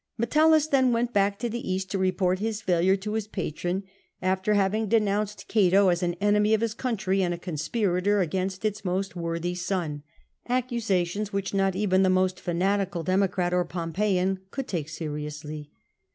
Metellus went back to the Bast to report his failure to his patron, after having denounced Cato as an enemy of his country and a conspirator against its most worthy son — accusations which not even the most fanatical democrat or Pompeian could take seriously.